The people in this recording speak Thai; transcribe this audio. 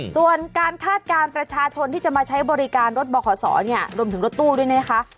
ส่วนการคาดการณ์ประชาชนที่จะมาใช้บริการรถบขศเนี่ยรวมถึงรถตู้ด้วยนะคะ